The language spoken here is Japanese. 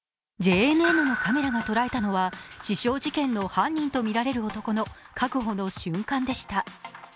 ＪＮＮのカメラが捉えたのは、刺傷事件の犯人の男とみられる確保の瞬間でした。